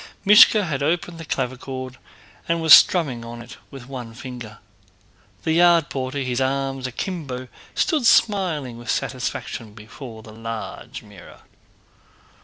Míshka had opened the clavichord and was strumming on it with one finger. The yard porter, his arms akimbo, stood smiling with satisfaction before the large mirror.